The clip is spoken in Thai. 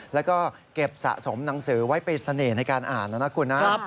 แล้วก็เก็บสะสมหนังสือไว้เป็นเสน่ห์ในการอ่านแล้วนะคุณนะ